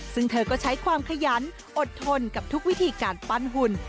ซึ่งเธอก็ใช้ความขยันอดทนกับทุกวิธีการปั้นหุ่น